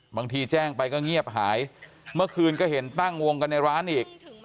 บางทีแจ้งไปก็เงียบหายเมื่อคืนก็เห็นตั้งวงกันในร้านอีก